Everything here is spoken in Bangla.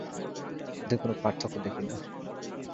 উভয়ের মধ্যে কোন পার্থক্য দেখি না।